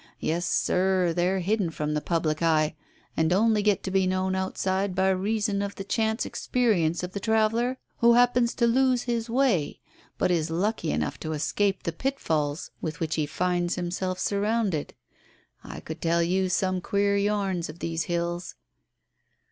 Yes, sir, they're hidden from the public eye, and only get to be known outside by reason of the chance experience of the traveller who happens to lose his way, but is lucky enough to escape the pitfalls with which he finds himself surrounded. I could tell you some queer yarns of these hills."